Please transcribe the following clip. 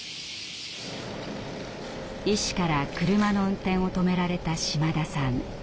医師から車の運転を止められた島田さん。